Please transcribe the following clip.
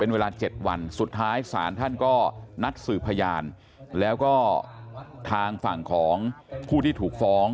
เวลา๗วันสุดท้ายศาลท่านก็นัดสืบพยานแล้วก็ทางฝั่งของผู้ที่ถูกฟ้อง